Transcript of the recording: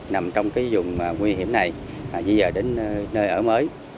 nằm trong cái vùng nguy hiểm này di dời đến nơi ở mới